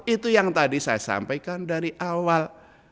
itu yang tadi saya sampaikan dari awal